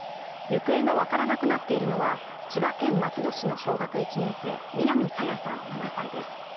行方が分からなくなっているのは千葉県松戸市の小学１年生、南朝芽さん７歳です。